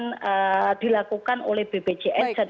akan dilakukan oleh bpjs